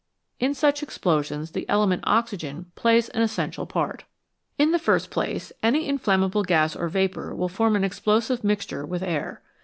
In such explosions the element oxygen plays an essential part. In the first place, any inflammable gas or vapour will form an explosive mixture with air.